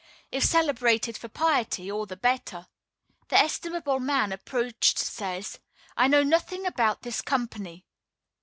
If celebrated for piety, all the better. The estimable man approached says: "I know nothing about this company."